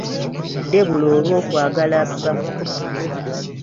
Debula olw'okwagala bba